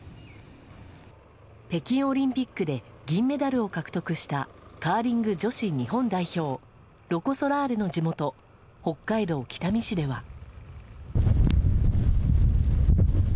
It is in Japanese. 北京オリンピックで銀メダルを獲得したカーリング女子日本代表ロコ・ソラーレの地元北海道北見市では。